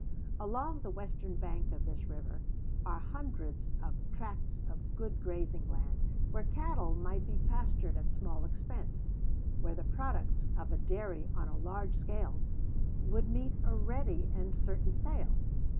Along the western bank of this river are hundreds of tracts of good grazing land, where cattle might be pastured at small expense; where the products of a dairy on a large scale would meet a ready and certain sale.